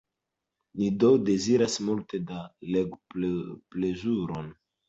Ni do deziras multe da legoplezuro!